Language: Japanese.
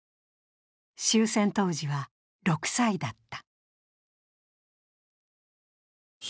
終戦当時は６歳だった。